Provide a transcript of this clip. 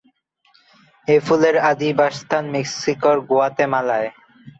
এ ফুলের আদি বাসস্থান মেক্সিকোর গুয়াতেমালায়।